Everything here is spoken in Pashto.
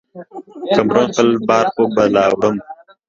که مرم ، خپل بار خو به لا وړم.